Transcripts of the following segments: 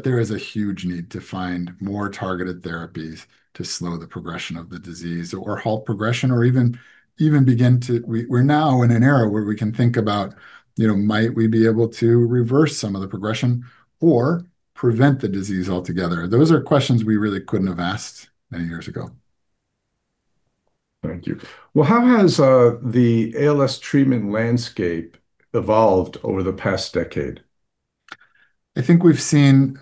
There is a huge need to find more targeted therapies to slow the progression of the disease, or halt progression, or even begin to. We're now in an era where we can think about, you know, might we be able to reverse some of the progression or prevent the disease altogether? Those are questions we really couldn't have asked many years ago. Thank you. Well, how has the ALS treatment landscape evolved over the past decade? I think we've seen,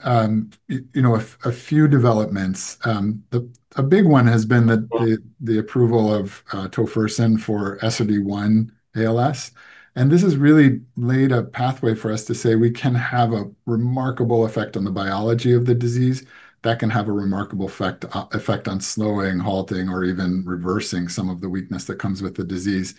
you know, a few developments. A big one has been the approval of tofersen for SOD1 ALS, and this has really laid a pathway for us to say we can have a remarkable effect on the biology of the disease. That can have a remarkable effect on slowing, halting, or even reversing some of the weakness that comes with the disease.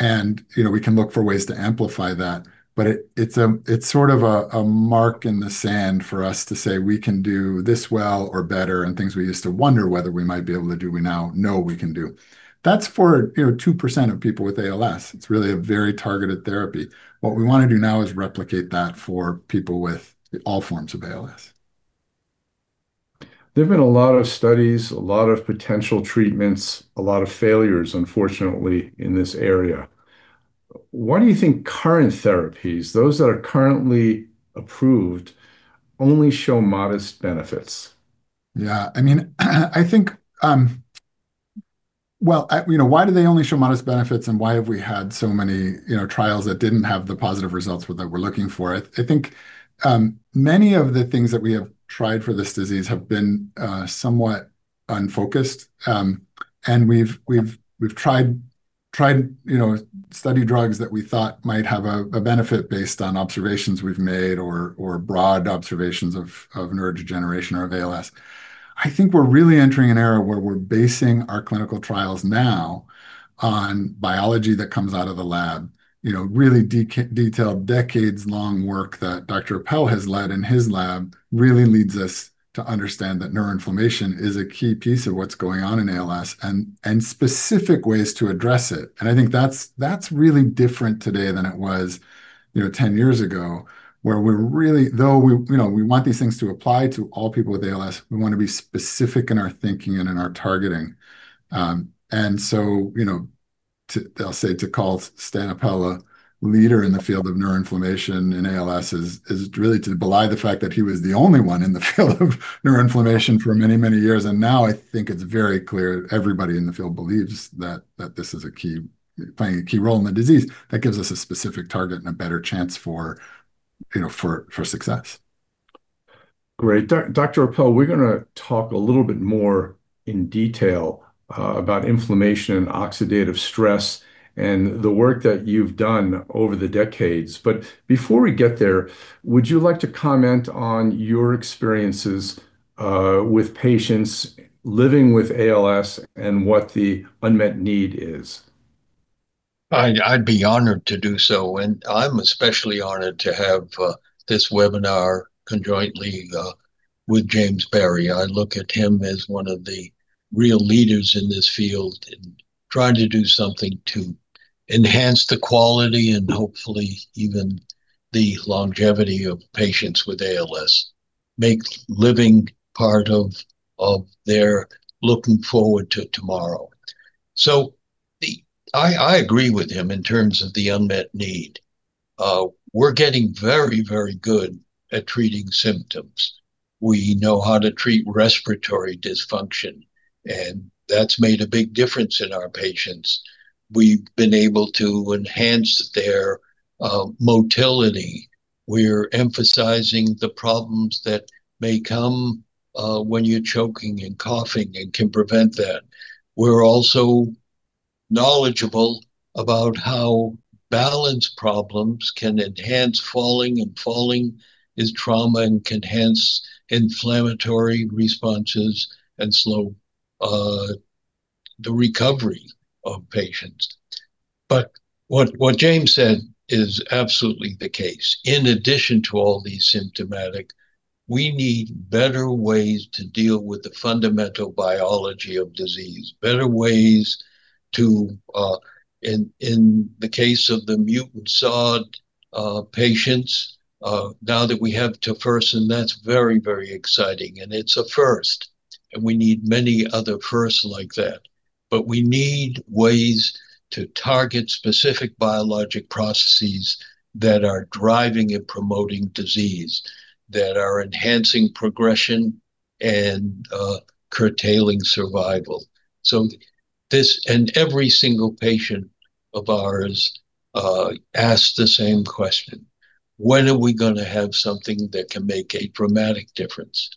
And, you know, we can look for ways to amplify that. But it's sort of a mark in the sand for us to say: We can do this well or better, and things we used to wonder whether we might be able to do, we now know we can do. That's for, you know, 2% of people with ALS. It's really a very targeted therapy. What we wanna do now is replicate that for people with all forms of ALS. There have been a lot of studies, a lot of potential treatments, a lot of failures, unfortunately, in this area. Why do you think current therapies, those that are currently approved, only show modest benefits? Yeah, I mean, I think... Well, I, you know, why do they only show modest benefits, and why have we had so many, you know, trials that didn't have the positive results that we're looking for? I think many of the things that we have tried for this disease have been somewhat unfocused. And we've tried, you know, studied drugs that we thought might have a benefit based on observations we've made or broad observations of neurodegeneration or of ALS. I think we're really entering an era where we're basing our clinical trials now on biology that comes out of the lab. You know, really detailed, decades-long work that Dr. Appel has led in his lab really leads us to understand that neuroinflammation is a key piece of what's going on in ALS, and specific ways to address it. And I think that's really different today than it was, you know, 10 years ago, where we're really though we, you know, we want these things to apply to all people with ALS, we wanna be specific in our thinking and in our targeting. And so, you know, I'll say, to call Stan Appel a leader in the field of neuroinflammation in ALS is really to belie the fact that he was the only one in the field of neuroinflammation for many, many years. And now I think it's very clear, everybody in the field believes that this is a key, playing a key role in the disease. That gives us a specific target and a better chance for, you know, success. Great. Dr. Appel, we're gonna talk a little bit more in detail about inflammation and oxidative stress and the work that you've done over the decades. But before we get there, would you like to comment on your experiences with patients living with ALS and what the unmet need is? I'd, I'd be honored to do so, and I'm especially honored to have this webinar conjointly with James Berry. I look at him as one of the real leaders in this field in trying to do something to enhance the quality and hopefully even the longevity of patients with ALS, make living part of, of their looking forward to tomorrow. So I, I agree with him in terms of the unmet need. We're getting very, very good at treating symptoms. We know how to treat respiratory dysfunction, and that's made a big difference in our patients. We've been able to enhance their motility. We're emphasizing the problems that may come when you're choking and coughing, and can prevent that. We're also knowledgeable about how balance problems can enhance falling, and falling is trauma and can enhance inflammatory responses and slow the recovery of patients. But what James said is absolutely the case. In addition to all these symptomatic, we need better ways to deal with the fundamental biology of disease, better ways to. In the case of the mutant SOD patients, now that we have tofersen, that's very, very exciting, and it's a first, and we need many other firsts like that. But we need ways to target specific biologic processes that are driving and promoting disease, that are enhancing progression and curtailing survival. So and every single patient of ours asks the same question: "When are we gonna have something that can make a dramatic difference?"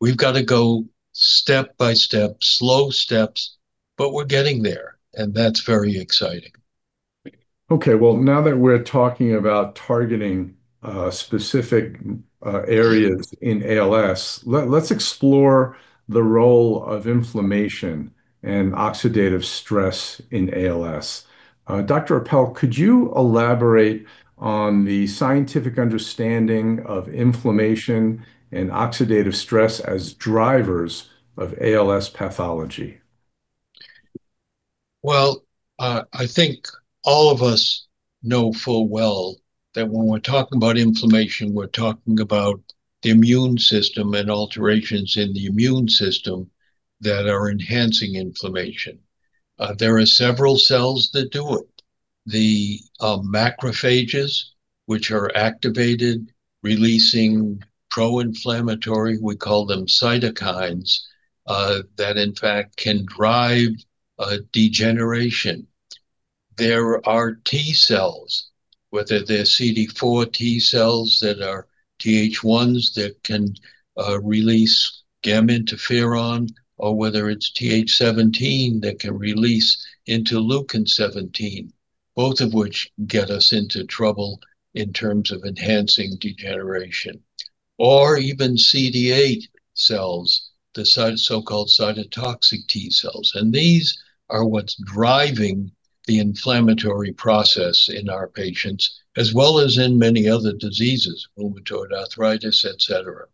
We've gotta go step by step, slow steps, but we're getting there, and that's very exciting. Okay, well, now that we're talking about targeting specific areas in ALS, let's explore the role of inflammation and oxidative stress in ALS. Dr. Appel, could you elaborate on the scientific understanding of inflammation and oxidative stress as drivers of ALS pathology? ... Well, I think all of us know full well that when we're talking about inflammation, we're talking about the immune system and alterations in the immune system that are enhancing inflammation. There are several cells that do it. The macrophages, which are activated, releasing pro-inflammatory, we call them cytokines, that in fact can drive a degeneration. There are T cells, whether they're CD4 T cells that are Th1s, that can release gamma interferon, or whether it's Th17 that can release interleukin-17, both of which get us into trouble in terms of enhancing degeneration. Or even CD8 cells, the cyto- so-called cytotoxic T cells. And these are what's driving the inflammatory process in our patients, as well as in many other diseases, rheumatoid arthritis, et cetera.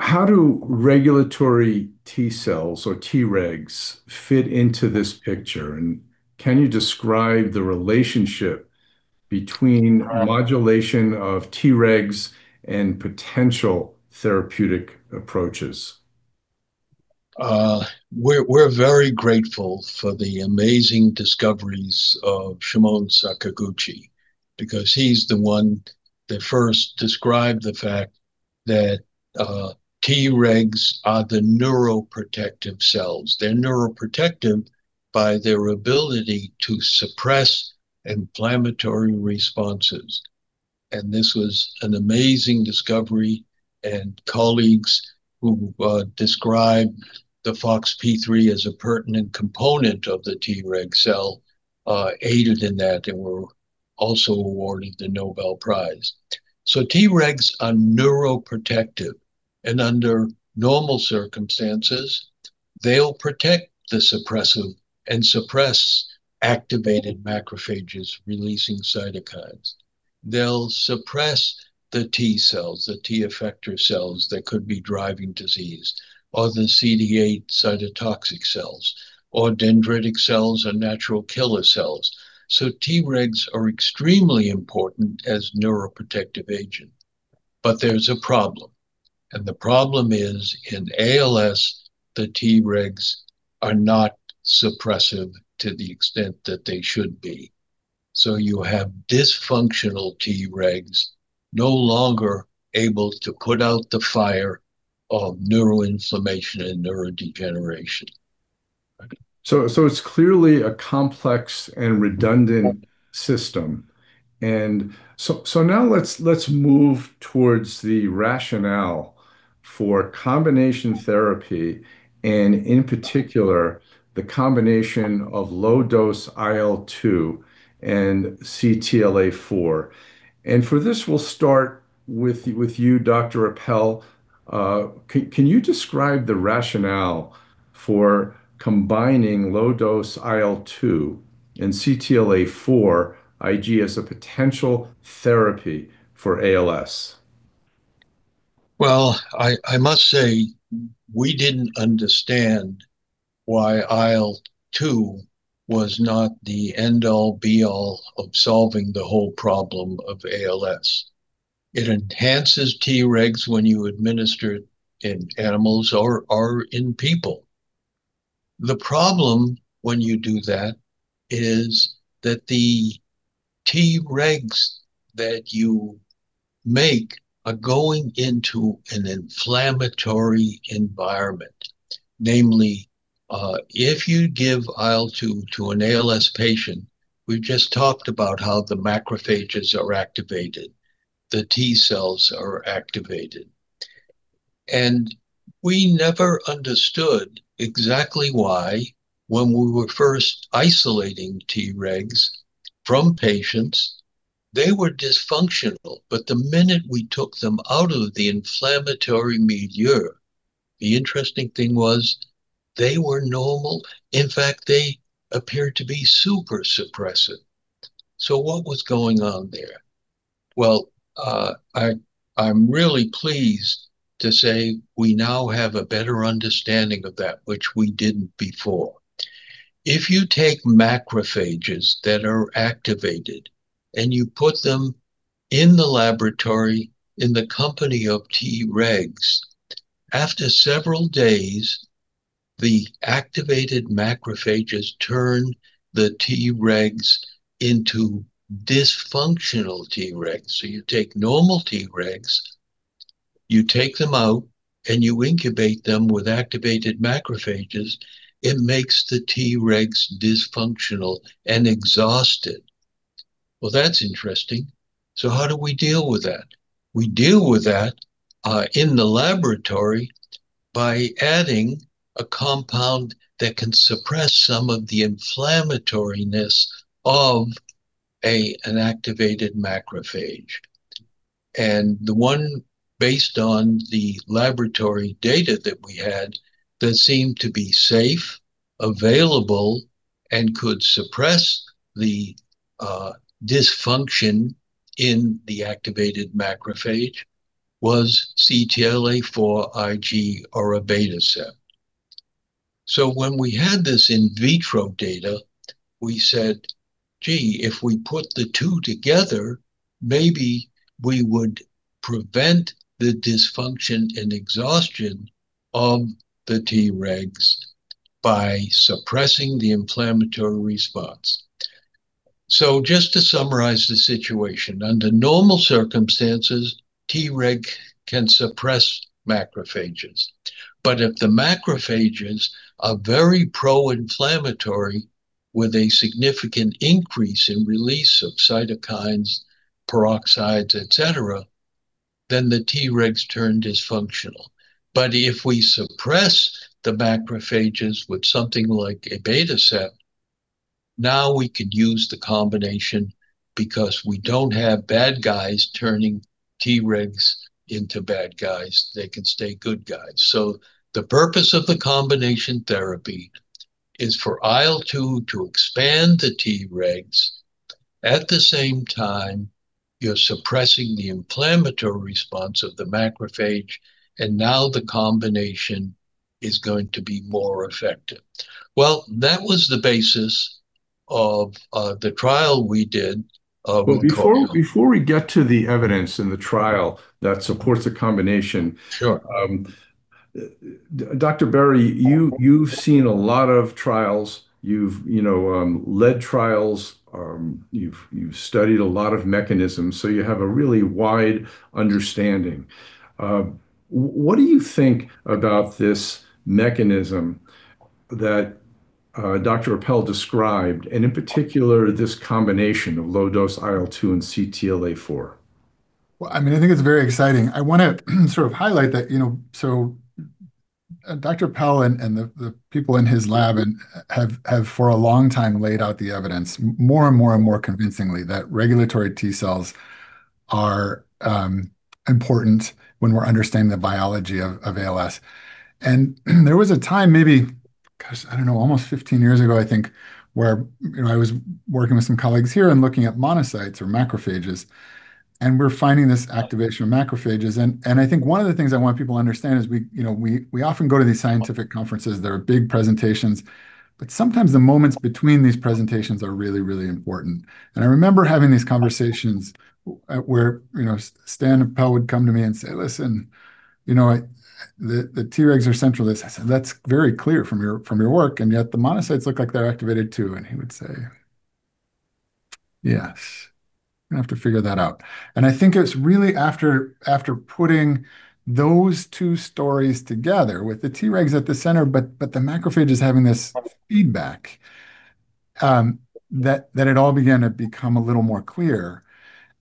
How do regulatory T cells or Tregs fit into this picture? And can you describe the relationship between modulation of Tregs and potential therapeutic approaches? We're very grateful for the amazing discoveries of Shimon Sakaguchi, because he's the one that first described the fact that Tregs are the neuroprotective cells. They're neuroprotective by their ability to suppress inflammatory responses. And this was an amazing discovery, and colleagues who described the FOXP3 as a pertinent component of the Treg cell aided in that, and were also awarded the Nobel Prize. So Tregs are neuroprotective, and under normal circumstances, they'll protect the suppressive and suppress activated macrophages releasing cytokines. They'll suppress the T cells, the T effector cells, that could be driving disease, or the CD8 cytotoxic cells, or dendritic cells, and natural killer cells. So Tregs are extremely important as neuroprotective agent. But there's a problem, and the problem is, in ALS, the Tregs are not suppressive to the extent that they should be. So you have dysfunctional Tregs, no longer able to put out the fire of neuroinflammation and neurodegeneration. So it's clearly a complex and redundant system. So now let's move towards the rationale for combination therapy, and in particular, the combination of low-dose IL-2 and CTLA-4. And for this, we'll start with you, Dr. Appel. Can you describe the rationale for combining low-dose IL-2 and CTLA-4 Ig as a potential therapy for ALS? Well, I must say, we didn't understand why IL-2 was not the end-all be-all of solving the whole problem of ALS. It enhances Tregs when you administer it in animals or in people. The problem when you do that is that the Tregs that you make are going into an inflammatory environment. Namely, if you give IL-2 to an ALS patient, we've just talked about how the macrophages are activated, the T cells are activated. And we never understood exactly why, when we were first isolating Tregs from patients, they were dysfunctional. But the minute we took them out of the inflammatory milieu, the interesting thing was they were normal. In fact, they appeared to be super suppressant. So what was going on there? Well, I'm really pleased to say we now have a better understanding of that, which we didn't before. If you take macrophages that are activated, and you put them in the laboratory in the company of Tregs, after several days, the activated macrophages turn the Tregs into dysfunctional Tregs. So you take normal Tregs, you take them out, and you incubate them with activated macrophages, it makes the Tregs dysfunctional and exhausted. Well, that's interesting. So how do we deal with that? We deal with that in the laboratory by adding a compound that can suppress some of the inflammatoriness of an activated macrophage. And the one based on the laboratory data that we had, that seemed to be safe, available, and could suppress the dysfunction in the activated macrophage was CTLA-4 Ig or abatacept. When we had this in vitro data, we said, "Gee, if we put the two together, maybe we would prevent the dysfunction and exhaustion of the Tregs by suppressing the inflammatory response." Just to summarize the situation, under normal circumstances, Treg can suppress macrophages. But if the macrophages are very pro-inflammatory, with a significant increase in release of cytokines, peroxides, et cetera, then the Tregs turn dysfunctional. But if we suppress the macrophages with something like abatacept, now we can use the combination because we don't have bad guys turning Tregs into bad guys. They can stay good guys. So the purpose of the combination therapy is for IL-2 to expand the Tregs. At the same time, you're suppressing the inflammatory response of the macrophage, and now the combination is going to be more effective. Well, that was the basis of the trial we did with- Well, before we get to the evidence in the trial that supports the combination- Sure ... Dr. Berry, you've seen a lot of trials. You've, you know, led trials. You've studied a lot of mechanisms, so you have a really wide understanding. What do you think about this mechanism that Dr. Appel described, and in particular, this combination of low-dose IL-2 and CTLA-4? Well, I mean, I think it's very exciting. I wanna sort of highlight that, you know... So, Dr. Appel and the people in his lab have, for a long time, laid out the evidence more and more and more convincingly, that regulatory T cells are important when we're understanding the biology of ALS. And there was a time, maybe, gosh, I don't know, almost 15 years ago, I think, where, you know, I was working with some colleagues here and looking at monocytes or macrophages, and we're finding this activation of macrophages. And I think one of the things I want people to understand is we, you know, we often go to these scientific conferences that are big presentations, but sometimes the moments between these presentations are really, really important. And I remember having these conversations where, you know, Stanley Appel would come to me and say: "Listen, you know, the Tregs are central to this." I said, "That's very clear from your, from your work, and yet the monocytes look like they're activated, too." And he would say, "Yes, we have to figure that out." And I think it's really after putting those two stories together, with the Tregs at the center, but the macrophages having this feedback, that it all began to become a little more clear.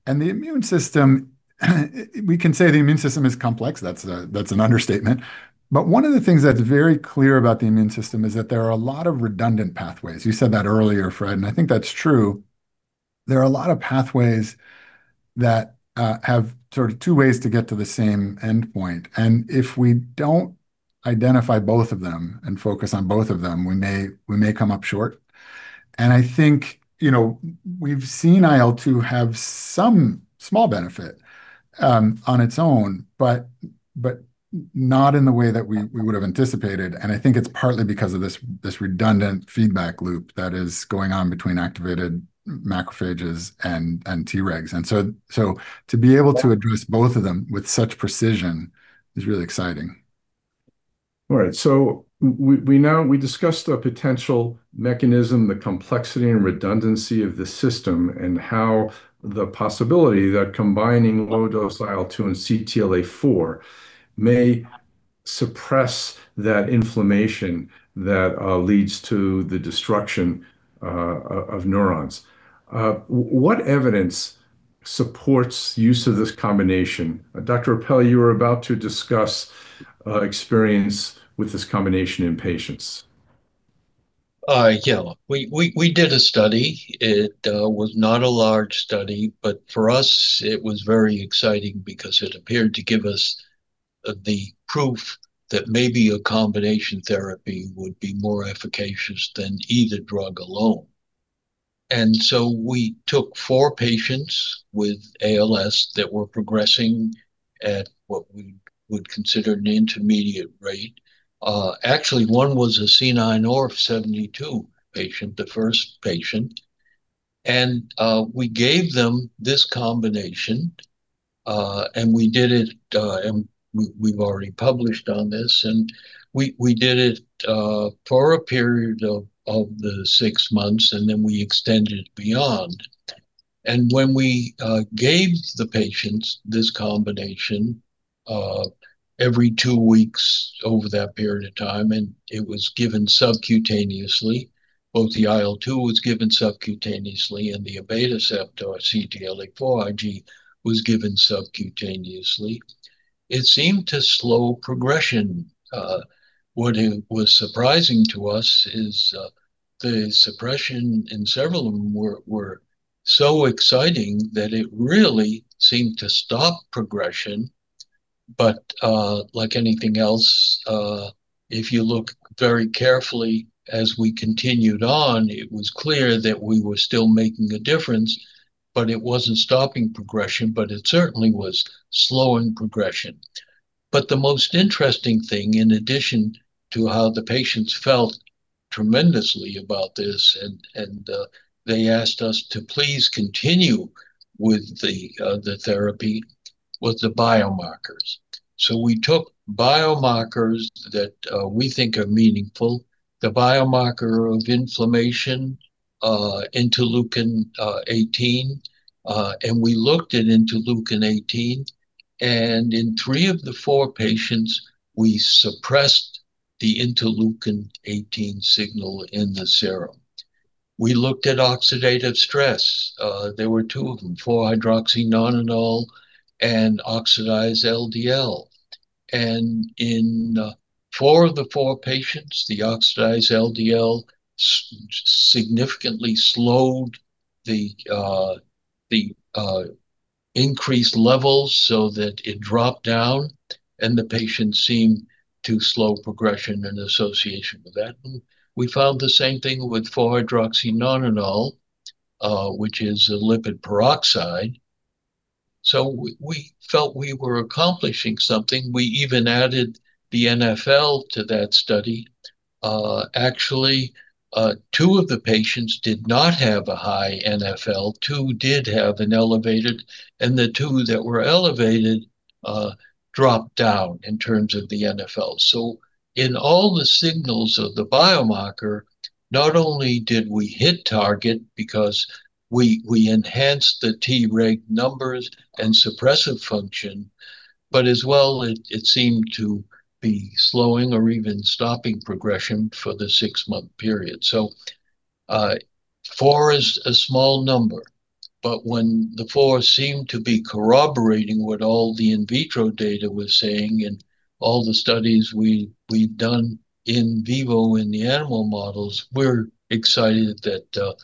And the immune system, we can say the immune system is complex. That's a, that's an understatement. But one of the things that's very clear about the immune system is that there are a lot of redundant pathways. You said that earlier, Fred, and I think that's true. There are a lot of pathways that have sort of two ways to get to the same endpoint, and if we don't identify both of them and focus on both of them, we may come up short. And I think, you know, we've seen IL-2 have some small benefit on its own, but not in the way that we would've anticipated, and I think it's partly because of this redundant feedback loop that is going on between activated macrophages and Tregs. So to be able to address both of them with such precision is really exciting. All right, so we discussed a potential mechanism, the complexity and redundancy of the system, and how the possibility that combining low-dose IL-2 and CTLA-4 may suppress that inflammation that leads to the destruction of neurons. What evidence supports use of this combination? Dr. Appel, you were about to discuss experience with this combination in patients. Yeah. We did a study. It was not a large study, but for us, it was very exciting because it appeared to give us the proof that maybe a combination therapy would be more efficacious than either drug alone. And so we took four patients with ALS that were progressing at what we would consider an intermediate rate. Actually, one was a C9orf72 patient, the first patient, and we gave them this combination, and we did it. And we've already published on this. And we did it for a period of the six months, and then we extended beyond. And when we gave the patients this combination every two weeks over that period of time, and it was given subcutaneously, both the IL-2 was given subcutaneously, and the abatacept, or CTLA-4 Ig, was given subcutaneously, it seemed to slow progression. What was surprising to us is the suppression in several of them were so exciting that it really seemed to stop progression, but like anything else, if you look very carefully, as we continued on, it was clear that we were still making a difference, but it wasn't stopping progression, but it certainly was slowing progression. But the most interesting thing, in addition to how the patients felt tremendously about this, and they asked us to please continue with the therapy, was the biomarkers. So we took biomarkers that we think are meaningful, the biomarker of inflammation, interleukin-18. And we looked at interleukin-18, and in three of the four patients, we suppressed the interleukin-18 signal in the serum. We looked at oxidative stress. There were two of them, 4-hydroxynonenal and oxidized LDL. And in four of the four patients, the oxidized LDL significantly slowed the increased levels so that it dropped down, and the patients seemed to slow progression in association with that. And we found the same thing with 4-hydroxynonenal, which is a lipid peroxide. So we felt we were accomplishing something. We even added the NfL to that study. Actually, two of the patients did not have a high NfL, two did have an elevated, and the two that were elevated dropped down in terms of the NfL. So in all the signals of the biomarker, not only did we hit target because we, we enhanced the Treg numbers and suppressive function, but as well, it, it seemed to be slowing or even stopping progression for the six-month period. So, four is a small number, but when the four seemed to be corroborating what all the in vitro data was saying and all the studies we, we've done in vivo in the animal models, we're excited that,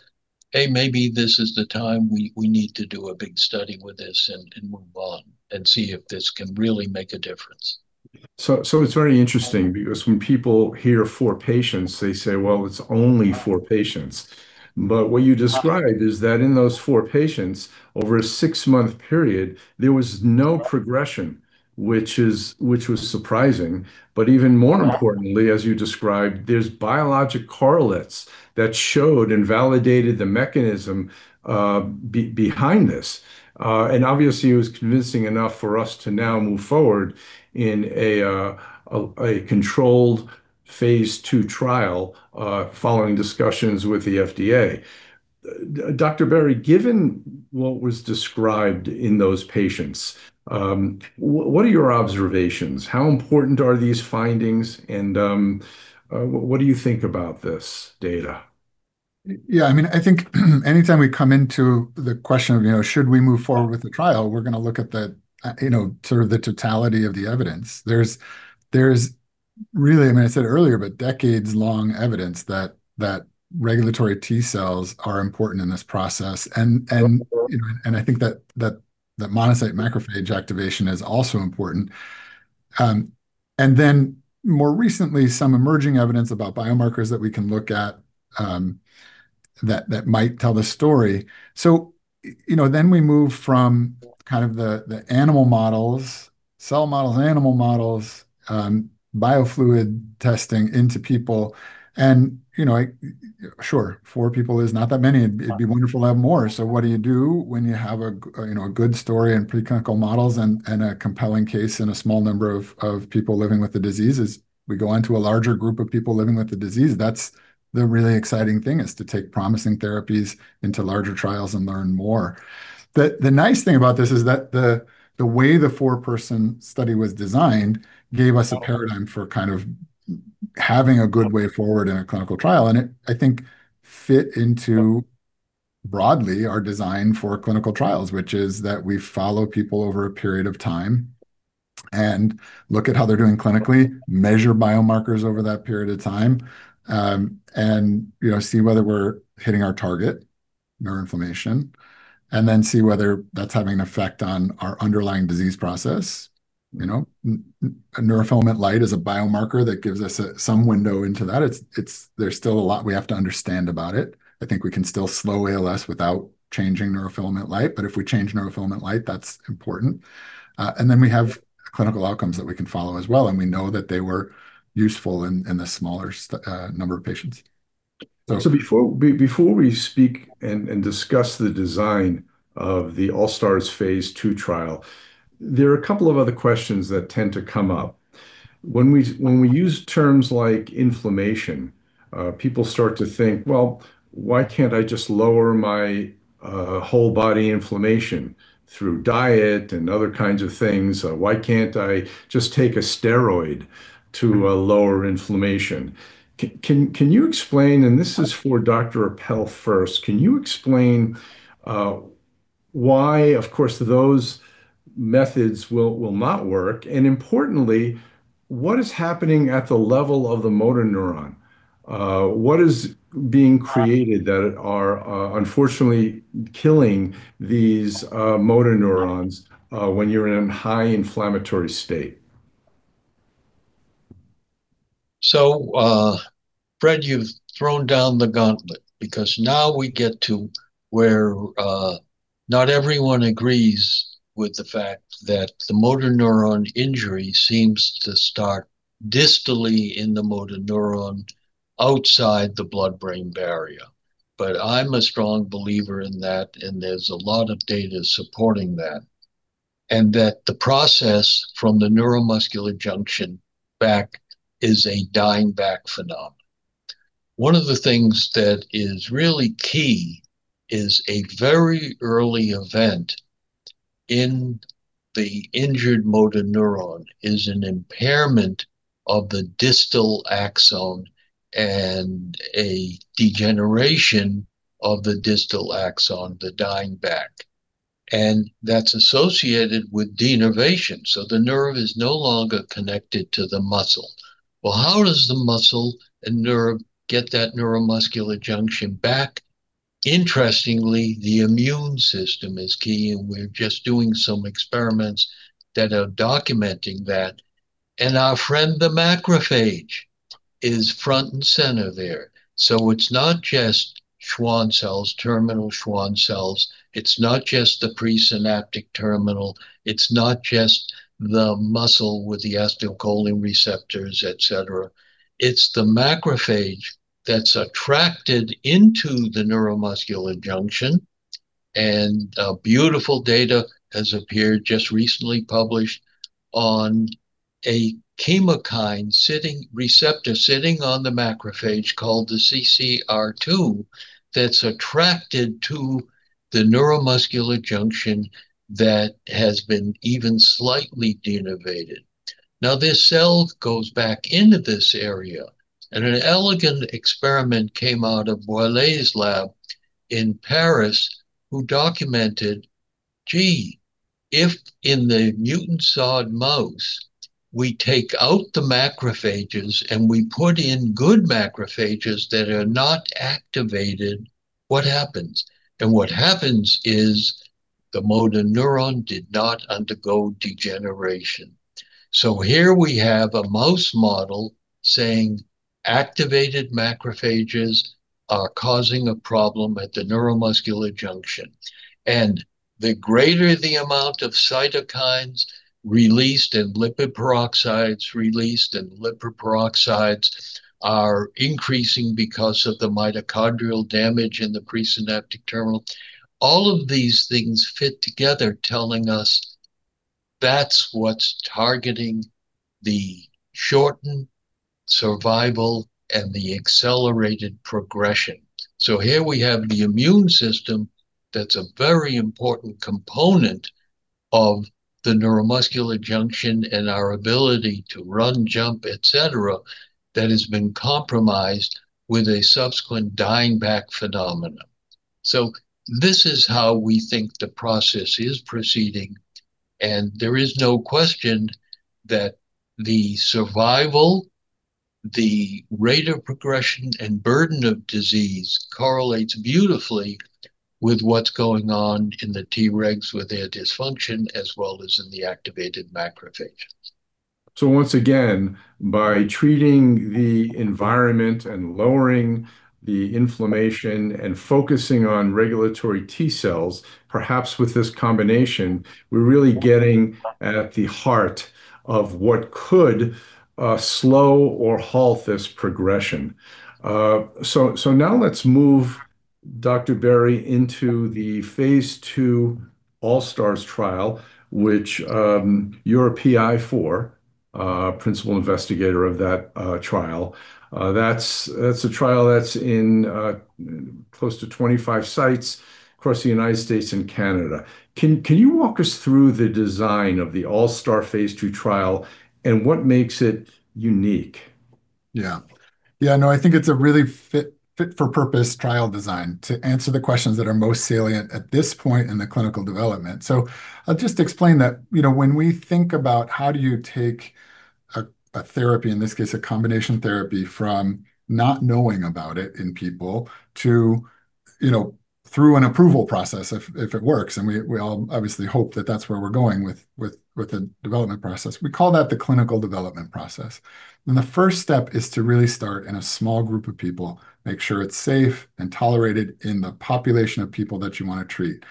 hey, maybe this is the time we, we need to do a big study with this and, and move on and see if this can really make a difference. So, it's very interesting because when people hear four patients, they say, "Well, it's only four patients." But what you described is that in those four patients, over a six-month period, there was no progression, which was surprising. But even more importantly, as you described, there's biologic correlates that showed and validated the mechanism behind this. And obviously, it was convincing enough for us to now move forward in a controlled phase II trial, following discussions with the FDA. Dr. Berry, given what was described in those patients, what are your observations? How important are these findings, and what do you think about this data? Yeah, I mean, I think anytime we come into the question of, you know, should we move forward with the trial, we're gonna look at the, you know, sort of the totality of the evidence. There's really, I mean, I said earlier, but decades-long evidence that regulatory T cells are important in this process. And, you know, and I think that monocyte macrophage activation is also important. And then more recently, some emerging evidence about biomarkers that we can look at, that might tell the story. So, you know, then we move from kind of the animal models, cell models, animal models, biofluid testing into people. And, you know, sure, four people is not that many. It'd be wonderful to have more. What do you do when you have a, you know, a good story in preclinical models and a compelling case in a small number of people living with the disease? We go on to a larger group of people living with the disease. That's the really exciting thing, to take promising therapies into larger trials and learn more. The nice thing about this is that the way the four-person study was designed gave us a paradigm for kind of having a good way forward in a clinical trial, and it, I think, fit into broadly our design for clinical trials, which is that we follow people over a period of time and look at how they're doing clinically, measure biomarkers over that period of time, and, you know, see whether we're hitting our target, neuroinflammation, and then see whether that's having an effect on our underlying disease process. You know, neurofilament light is a biomarker that gives us some window into that. It's. There's still a lot we have to understand about it. I think we can still slow ALS without changing neurofilament light, but if we change neurofilament light, that's important. And then we have clinical outcomes that we can follow as well, and we know that they were useful in the smaller number of patients. So before we speak and discuss the design of the ALSTARS phase II trial, there are a couple of other questions that tend to come up. When we use terms like inflammation, people start to think: "Well, why can't I just lower my whole-body inflammation through diet and other kinds of things? Why can't I just take a steroid to lower inflammation?" Can you explain, and this is for Dr. Appel first, why, of course, those methods will not work, and importantly, what is happening at the level of the motor neuron? What is being created that are unfortunately killing these motor neurons when you're in a high inflammatory state? So, Fred, you've thrown down the gauntlet, because now we get to where not everyone agrees with the fact that the motor neuron injury seems to start distally in the motor neuron, outside the blood-brain barrier. But I'm a strong believer in that, and there's a lot of data supporting that. And that the process from the neuromuscular junction back is a dying back phenomenon. One of the things that is really key is a very early event in the injured motor neuron, is an impairment of the distal axon and a degeneration of the distal axon, the dying back. And that's associated with denervation, so the nerve is no longer connected to the muscle. Well, how does the muscle and nerve get that neuromuscular junction back? Interestingly, the immune system is key, and we're just doing some experiments that are documenting that. Our friend, the macrophage, is front and center there. So it's not just Schwann cells, terminal Schwann cells. It's not just the presynaptic terminal. It's not just the muscle with the acetylcholine receptors, et cetera. It's the macrophage that's attracted into the neuromuscular junction, and beautiful data has appeared, just recently published, on a chemokine receptor sitting on the macrophage, called the CCR2, that's attracted to the neuromuscular junction that has been even slightly denervated. Now, this cell goes back into this area, and an elegant experiment came out of Boillée's lab in Paris, who documented, "Gee, if in the mutant SOD mouse, we take out the macrophages, and we put in good macrophages that are not activated, what happens?" And what happens is the motor neuron did not undergo degeneration. So here we have a mouse model saying, "Activated macrophages are causing a problem at the neuromuscular junction." And the greater the amount of cytokines released, and lipid peroxides released, and lipid peroxides are increasing because of the mitochondrial damage in the presynaptic terminal, all of these things fit together, telling us that's what's targeting the shortened survival and the accelerated progression. So here we have the immune system that's a very important component of the neuromuscular junction and our ability to run, jump, et cetera, that has been compromised with a subsequent dying-back phenomenon. So this is how we think the process is proceeding, and there is no question that the survival, the rate of progression, and burden of disease correlates beautifully with what's going on in the T regs, with their dysfunction, as well as in the activated macrophages. So once again, by treating the environment, and lowering the inflammation, and focusing on regulatory T cells, perhaps with this combination, we're really getting at the heart of what could slow or halt this progression. So now let's move, Dr. Berry, into the phase II ALSTARS trial, which you're a PI for, principal investigator of that trial. That's a trial that's in close to 25 sites across the United States and Canada. Can you walk us through the design of the ALSTARS phase II trial, and what makes it unique? Yeah. Yeah, no, I think it's a really fit, fit-for-purpose trial design to answer the questions that are most salient at this point in the clinical development. So I'll just explain that, you know, when we think about how do you take a, a therapy, in this case, a combination therapy, from not knowing about it in people to, you know, through an approval process if, if it works, and we, we all obviously hope that that's where we're going with, with, with the development process. We call that the clinical development process. The first step is to really start in a small group of people, make sure it's safe and tolerated in the population of people that you want to treat,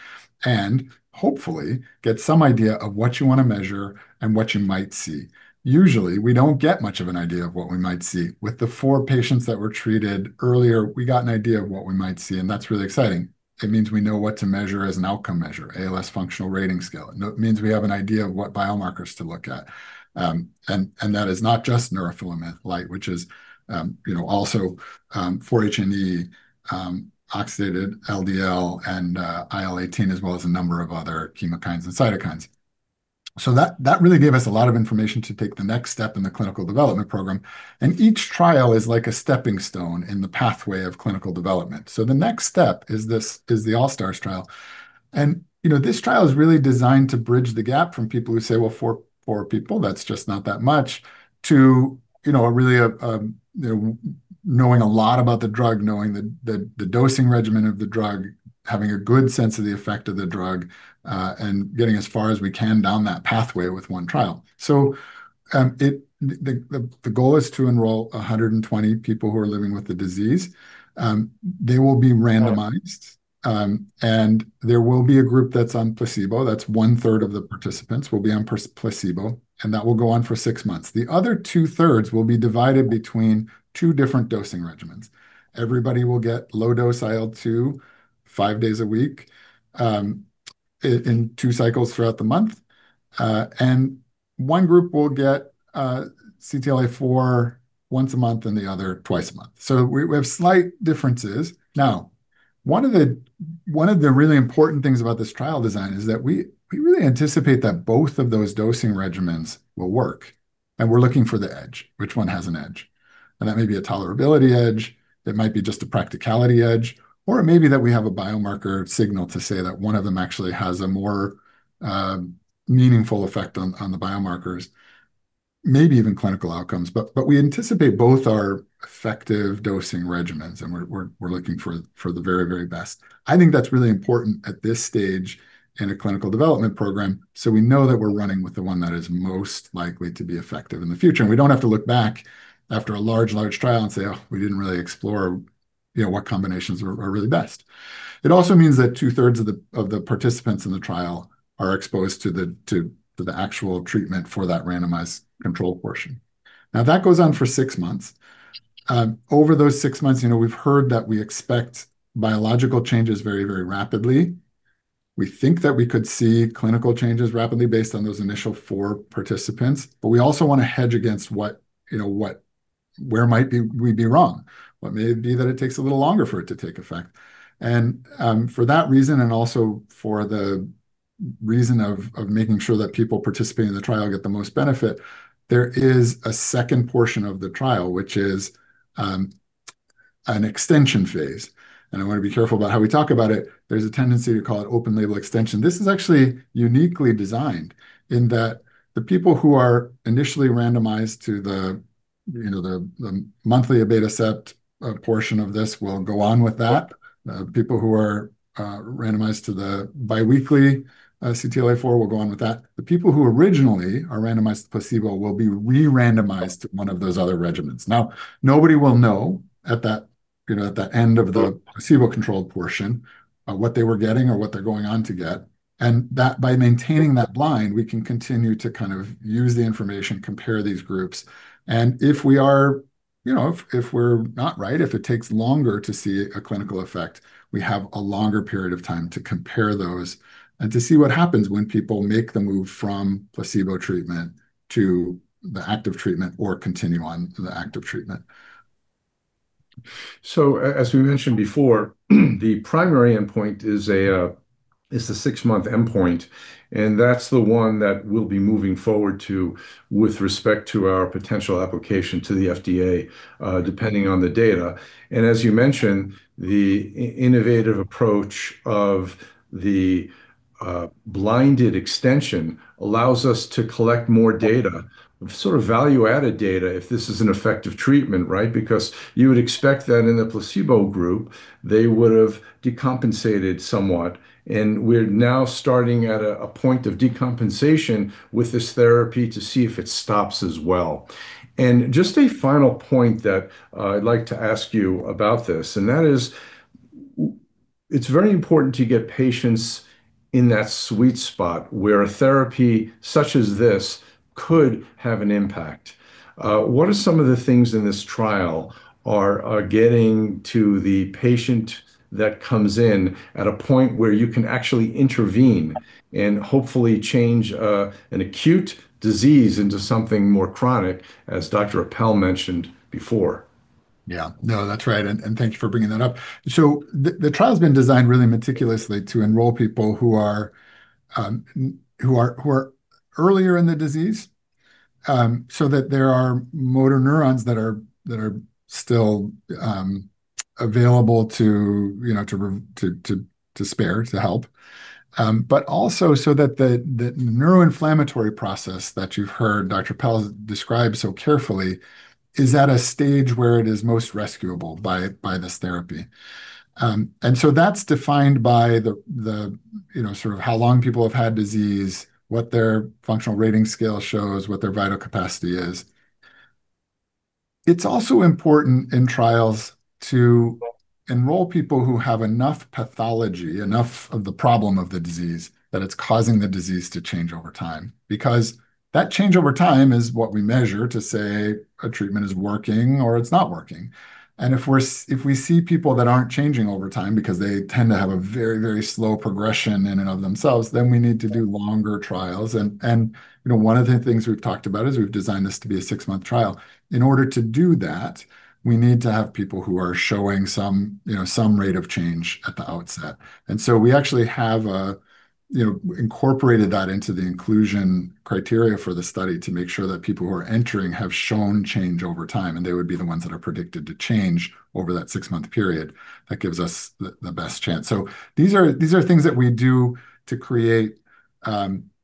and hopefully get some idea of what you want to measure and what you might see. Usually, we don't get much of an idea of what we might see. With the four patients that were treated earlier, we got an idea of what we might see, and that's really exciting. It means we know what to measure as an outcome measure, ALS Functional Rating Scale. And it means we have an idea of what biomarkers to look at. And that is not just neurofilament light, which is, you know, also, 4-HNE, oxidized LDL, and IL-18, as well as a number of other chemokines and cytokines. So that really gave us a lot of information to take the next step in the clinical development program, and each trial is like a stepping stone in the pathway of clinical development. So the next step is this is the ALSTARS trial. And, you know, this trial is really designed to bridge the gap from people who say, "Well, four, four people, that's just not that much," to, you know, really, you know, knowing a lot about the drug, knowing the dosing regimen of the drug, having a good sense of the effect of the drug, and getting as far as we can down that pathway with one trial. So, the goal is to enroll 120 people who are living with the disease. They will be randomized, and there will be a group that's on placebo. That's 1/3 of the participants will be on placebo, and that will go on for six months. The other two-thirds will be divided between two different dosing regimens. Everybody will get low-dose IL-2 five days a week, in two cycles throughout the month. And one group will get CTLA-4 once a month, and the other, twice a month. So we have slight differences. Now, one of the really important things about this trial design is that we really anticipate that both of those dosing regimens will work, and we're looking for the edge, which one has an edge? And that may be a tolerability edge, it might be just a practicality edge, or it may be that we have a biomarker signal to say that one of them actually has a more meaningful effect on the biomarkers, maybe even clinical outcomes. But we anticipate both are effective dosing regimens, and we're looking for the very, very best. I think that's really important at this stage in a clinical development program, so we know that we're running with the one that is most likely to be effective in the future. And we don't have to look back after a large, large trial and say, "Oh, we didn't really explore, you know, what combinations are really best." It also means that 2/3 of the participants in the trial are exposed to the actual treatment for that randomized control portion. Now, that goes on for six months. Over those six months, you know, we've heard that we expect biological changes very, very rapidly. We think that we could see clinical changes rapidly based on those initial four participants, but we also want to hedge against what, you know, what, where we might be wrong. What may it be that it takes a little longer for it to take effect? And, for that reason, and also for the reason of, of making sure that people participating in the trial get the most benefit, there is a second portion of the trial, which is, an extension phase, and I want to be careful about how we talk about it. There's a tendency to call it open-label extension. This is actually uniquely designed in that the people who are initially randomized to the, you know, the, the monthly abatacept, portion of this will go on with that. People who are, randomized to the biweekly, CTLA-4 will go on with that. The people who originally are randomized to placebo will be re-randomized to one of those other regimens. Now, nobody will know at that, you know, at the end of the placebo-controlled portion, what they were getting or what they're going on to get, and that, by maintaining that blind, we can continue to kind of use the information, compare these groups. And if we are... you know, if, if we're not right, if it takes longer to see a clinical effect, we have a longer period of time to compare those and to see what happens when people make the move from placebo treatment to the active treatment or continue on the active treatment. So as we mentioned before, the primary endpoint is the six-month endpoint, and that's the one that we'll be moving forward to with respect to our potential application to the FDA, depending on the data. And as you mentioned, the innovative approach of the blinded extension allows us to collect more data, sort of value-added data, if this is an effective treatment, right? Because you would expect that in the placebo group, they would have decompensated somewhat, and we're now starting at a point of decompensation with this therapy to see if it stops as well. And just a final point that I'd like to ask you about this, and that is: it's very important to get patients in that sweet spot where a therapy such as this could have an impact. What are some of the things in this trial are getting to the patient that comes in at a point where you can actually intervene and hopefully change an acute disease into something more chronic, as Dr. Appel mentioned before? Yeah. No, that's right, and thank you for bringing that up. So the trial's been designed really meticulously to enroll people who are earlier in the disease, so that there are motor neurons that are still available to, you know, to spare, to help. But also so that the neuroinflammatory process that you've heard Dr. Appel describe so carefully is at a stage where it is most rescuable by this therapy. And so that's defined by the, you know, sort of how long people have had disease, what their functional rating scale shows, what their vital capacity is. It's also important in trials to enroll people who have enough pathology, enough of the problem of the disease, that it's causing the disease to change over time. Because that change over time is what we measure to say a treatment is working or it's not working. And if we see people that aren't changing over time because they tend to have a very, very slow progression in and of themselves, then we need to do longer trials. And, you know, one of the things we've talked about is we've designed this to be a six-month trial. In order to do that, we need to have people who are showing some, you know, some rate of change at the outset. And so we actually have, you know, incorporated that into the inclusion criteria for the study to make sure that people who are entering have shown change over time, and they would be the ones that are predicted to change over that six-month period. That gives us the best chance. So these are, these are things that we do to create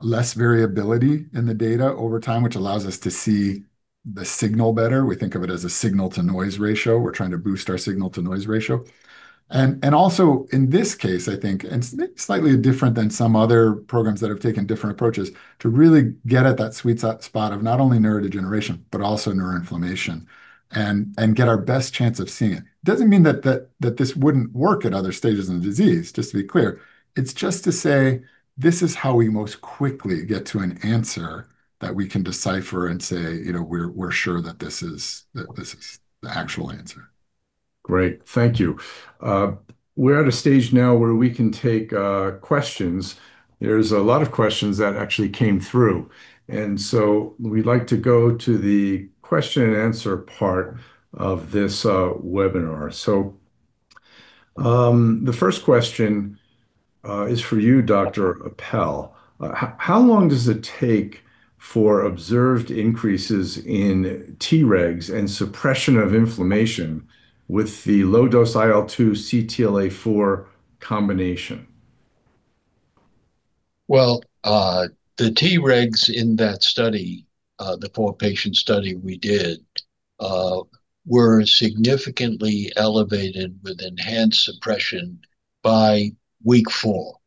less variability in the data over time, which allows us to see the signal better. We think of it as a signal-to-noise ratio. We're trying to boost our signal-to-noise ratio. And also, in this case, I think, and slightly different than some other programs that have taken different approaches, to really get at that sweet spot of not only neurodegeneration, but also neuroinflammation, and get our best chance of seeing it. Doesn't mean that this wouldn't work at other stages of the disease, just to be clear. It's just to say this is how we most quickly get to an answer that we can decipher and say, "You know, we're sure that this is the actual answer. Great, thank you. We're at a stage now where we can take questions. There's a lot of questions that actually came through, and so we'd like to go to the question and answer part of this webinar. So, the first question is for you, Dr. Appel. How long does it take for observed increases in Tregs and suppression of inflammation with the low-dose IL-2 CTLA-4 combination? Well, the Tregs in that study, the four-patient study we did, were significantly elevated with enhanced suppression by week four.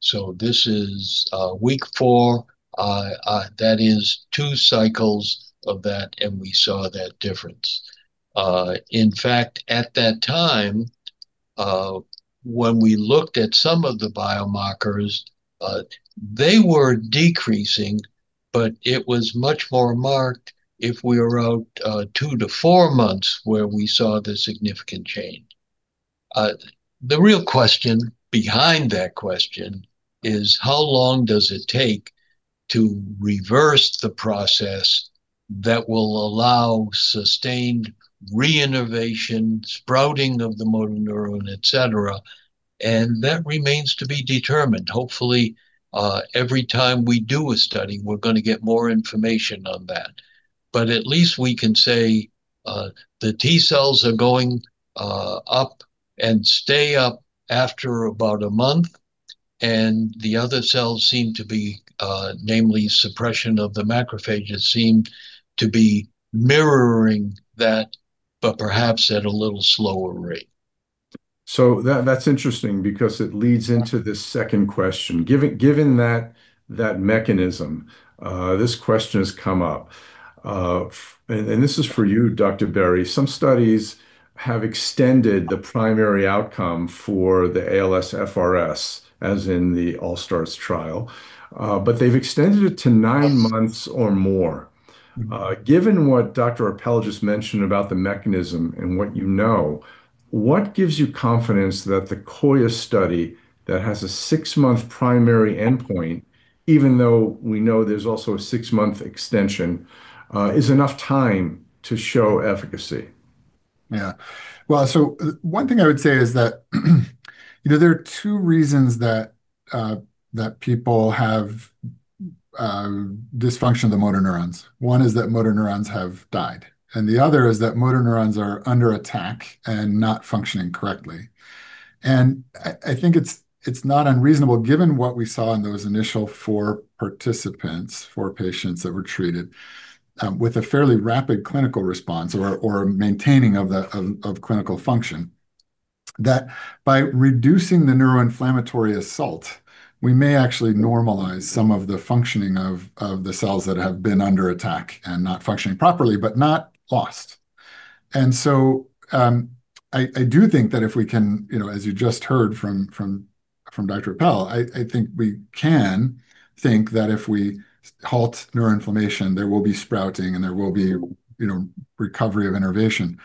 So this is, week four, that is two cycles of that, and we saw that difference. In fact, at that time, when we looked at some of the biomarkers, they were decreasing, but it was much more marked if we were out, two to four months, where we saw the significant change. The real question behind that question is, how long does it take to reverse the process that will allow sustained reinnervation, sprouting of the motor neuron, et cetera? And that remains to be determined. Hopefully, every time we do a study, we're gonna get more information on that. But at least we can say, the T cells are going up, and stay up after about a month, and the other cells seem to be, namely, suppression of the macrophages, seem to be mirroring that, but perhaps at a little slower rate. So that's interesting because it leads into this second question. Given that mechanism, this question has come up, and this is for you, Dr. Berry. Some studies have extended the primary outcome for the ALSFRS, as in the ALSTARS Trial, but they've extended it to nine months or more. Given what Dr. Appel just mentioned about the mechanism and what you know, what gives you confidence that the Coya study, that has a six-month primary endpoint, even though we know there's also a six-month extension, is enough time to show efficacy? Yeah. Well, so one thing I would say is that, you know, there are two reasons that people have dysfunction of the motor neurons. One is that motor neurons have died, and the other is that motor neurons are under attack and not functioning correctly. And I think it's not unreasonable, given what we saw in those initial four participants, four patients that were treated, with a fairly rapid clinical response or maintaining of the clinical function, that by reducing the neuroinflammatory assault, we may actually normalize some of the functioning of the cells that have been under attack and not functioning properly, but not lost. And so, I do think that if we can, you know, as you just heard from Dr. Appel, I think we can think that if we halt neuroinflammation, there will be sprouting and there will be, you know, recovery of innervation.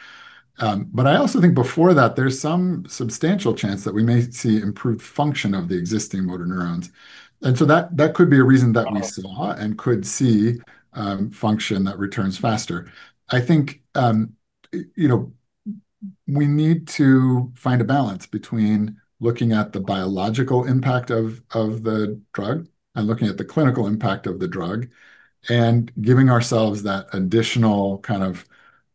But I also think before that, there's some substantial chance that we may see improved function of the existing motor neurons. And so that, that could be a reason that we saw and could see, function that returns faster. I think, you know, we need to find a balance between looking at the biological impact of the drug and looking at the clinical impact of the drug, and giving ourselves that additional kind of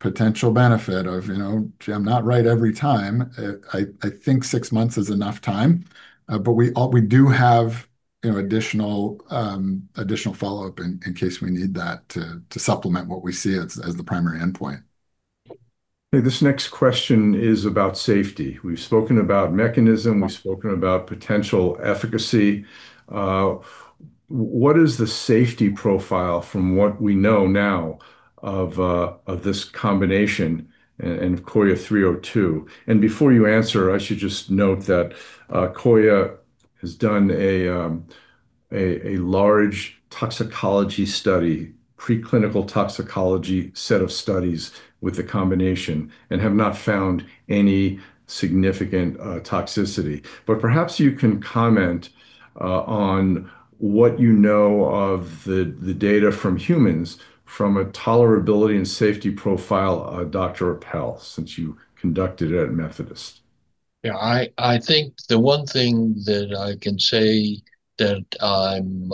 potential benefit of, you know, I'm not right every time. I think six months is enough time, but we all, we do have, you know, additional follow-up in case we need that to supplement what we see as the primary endpoint. Okay, this next question is about safety. We've spoken about mechanism, we've spoken about potential efficacy. What is the safety profile from what we know now of this combination and of COYA 302? And before you answer, I should just note that Coya has done a large toxicology study, preclinical toxicology set of studies with the combination, and have not found any significant toxicity. But perhaps you can comment on what you know of the data from humans from a tolerability and safety profile, Dr. Appel, since you conducted it at Methodist. Yeah, I think the one thing that I can say that I'm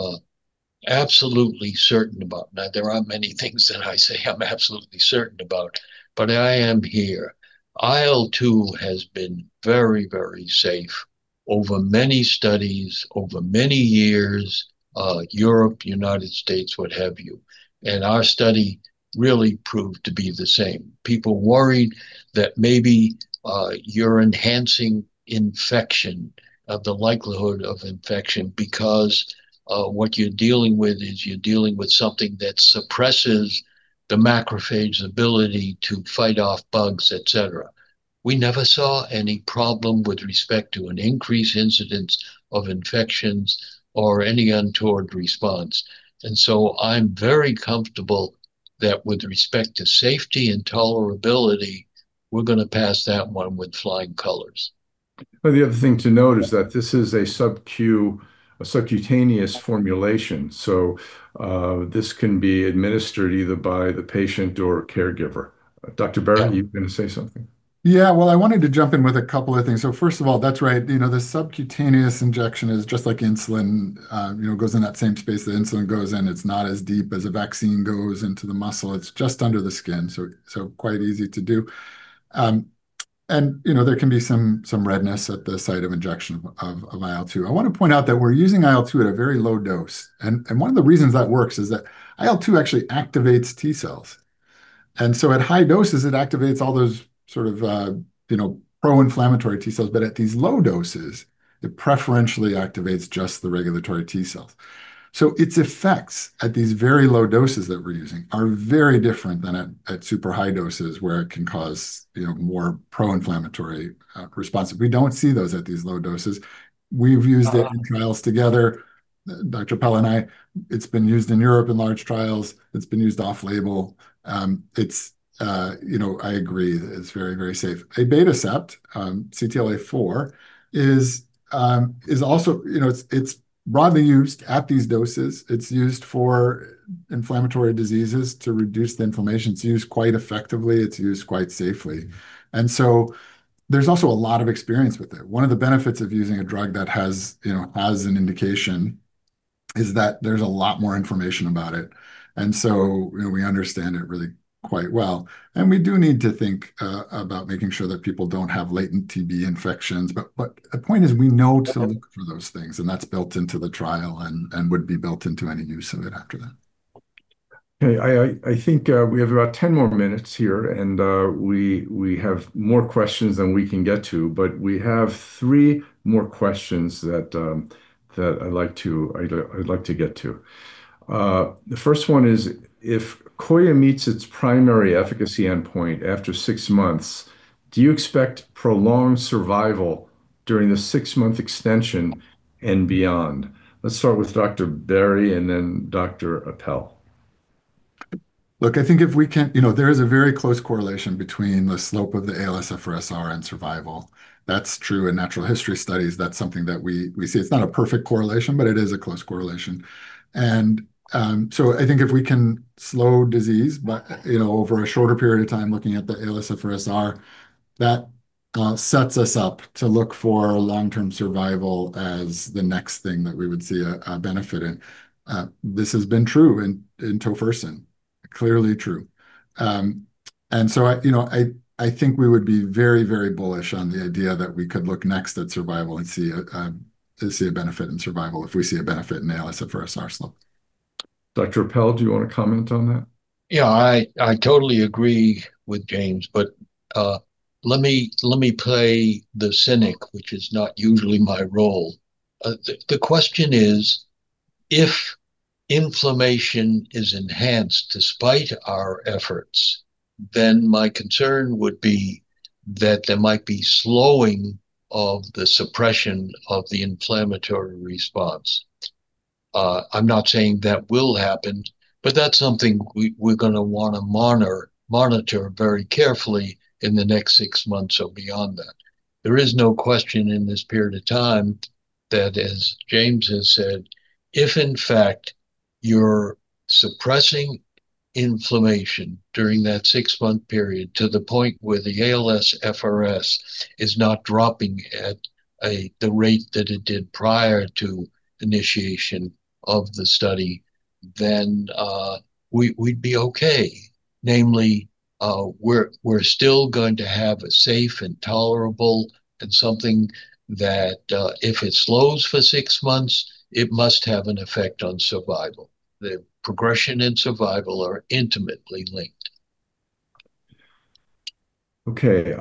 absolutely certain about... Now, there aren't many things that I say I'm absolutely certain about, but I am here. IL-2 has been very, very safe.... over many studies, over many years, Europe, United States, what have you, and our study really proved to be the same. People worried that maybe you're enhancing infection, the likelihood of infection, because what you're dealing with is you're dealing with something that suppresses the macrophage ability to fight off bugs, et cetera. We never saw any problem with respect to an increased incidence of infections or any untoward response. And so I'm very comfortable that with respect to safety and tolerability, we're gonna pass that one with flying colors. Well, the other thing to note is that this is a Sub-Q, a subcutaneous formulation, so this can be administered either by the patient or caregiver. Dr. Berry, you were gonna say something? Yeah, well, I wanted to jump in with a couple of things. So first of all, that's right, you know, the subcutaneous injection is just like insulin. You know, it goes in that same space that insulin goes in. It's not as deep as a vaccine goes into the muscle, it's just under the skin, so quite easy to do. And, you know, there can be some redness at the site of injection of IL-2. I wanna point out that we're using IL-2 at a very low dose, and one of the reasons that works is that IL-2 actually activates T cells. And so at high doses, it activates all those sort of, you know, pro-inflammatory T cells. But at these low doses, it preferentially activates just the regulatory T cells. So its effects at these very low doses that we're using are very different than at super high doses, where it can cause, you know, more pro-inflammatory response. We don't see those at these low doses. We've used it in trials together, Dr. Appel and I. It's been used in Europe in large trials. It's been used off-label. It's, you know, I agree, it's very, very safe. abatacept, CTLA-4, is, is also... You know, it's, it's broadly used at these doses. It's used for inflammatory diseases to reduce the inflammation. It's used quite effectively, it's used quite safely, and so there's also a lot of experience with it. One of the benefits of using a drug that has, you know, has an indication, is that there's a lot more information about it, and so, you know, we understand it really quite well. We do need to think about making sure that people don't have latent TB infections, but the point is, we know to look for those things, and that's built into the trial and would be built into any use of it after that. Okay, I think we have about 10 more minutes here, and we have more questions than we can get to, but we have three more questions that I'd like to get to. The first one is, "If Coya meets its primary efficacy endpoint after six months, do you expect prolonged survival during the six-month extension and beyond?" Let's start with Dr. Berry, and then Dr. Appel. Look, I think if we can... You know, there is a very close correlation between the slope of the ALSFRS-R and survival. That's true in natural history studies. That's something that we, we see. It's not a perfect correlation, but it is a close correlation. And, so I think if we can slow disease, but, you know, over a shorter period of time, looking at the ALSFRS-R, that, sets us up to look for long-term survival as the next thing that we would see a, a benefit in. This has been true in, in tofersen, clearly true. And so I, you know, I, I think we would be very, very bullish on the idea that we could look next at survival and see a, see a benefit in survival if we see a benefit in the ALSFRS-R slope. Dr. Appel, do you wanna comment on that? Yeah, I totally agree with James, but let me play the cynic, which is not usually my role. The question is, if inflammation is enhanced despite our efforts, then my concern would be that there might be slowing of the suppression of the inflammatory response. I'm not saying that will happen, but that's something we're gonna wanna monitor very carefully in the next six months or beyond that. There is no question in this period of time that, as James has said, if in fact you're suppressing inflammation during that six-month period to the point where the ALSFRS is not dropping at the rate that it did prior to initiation of the study, then we'd be okay. Namely, we're still going to have a safe and tolerable, and something that, if it slows for six months, it must have an effect on survival. The progression and survival are intimately linked. Okay,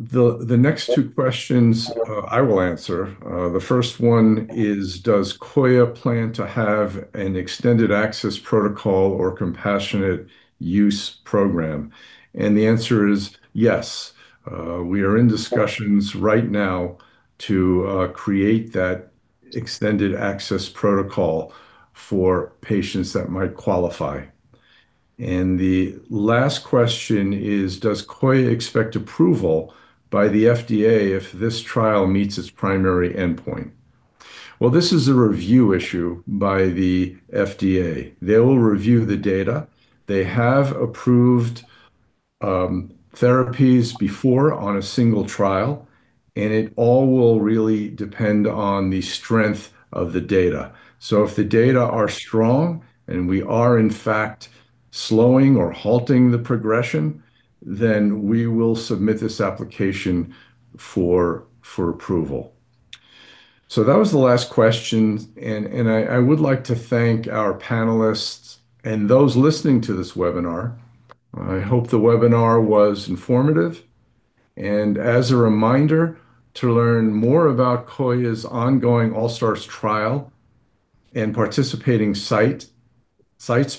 the next two questions I will answer. The first one is, "Does Coya plan to have an extended access protocol or compassionate use program?" And the answer is yes. We are in discussions right now to create that extended access protocol for patients that might qualify. And the last question is, "Does Coya expect approval by the FDA if this trial meets its primary endpoint?" Well, this is a review issue by the FDA. They will review the data. They have approved therapies before on a single trial, and it all will really depend on the strength of the data. So if the data are strong, and we are in fact slowing or halting the progression, then we will submit this application for approval. So that was the last question, and I would like to thank our panelists and those listening to this webinar. I hope the webinar was informative, and as a reminder, to learn more about Coya's ongoing ALSTARS trial and participating sites,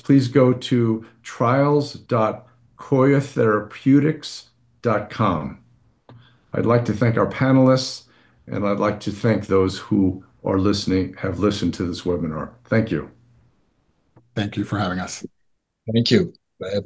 please go to trials.coyatherapeutics.com. I'd like to thank our panelists, and I'd like to thank those who are listening, have listened to this webinar. Thank you. Thank you for having us. Thank you, Bye.